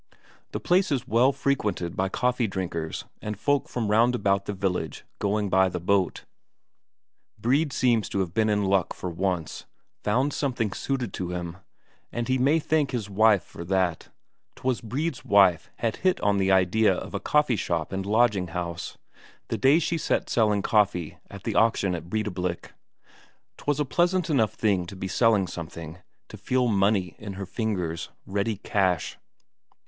The place is well frequented by coffee drinkers and folk from round about the village going by the boat. Brede seems to have been in luck for once, found something suited to him, and he may thank his wife for that. 'Twas Brede's wife had hit on the idea of a coffee shop and lodging house, the day she sat selling coffee at the auction at Breidablik; 'twas a pleasant enough thing to be selling something, to feel money in her fingers, ready cash.